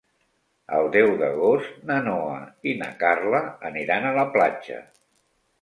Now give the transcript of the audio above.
El deu d'agost na Noa i na Carla aniran a la platja.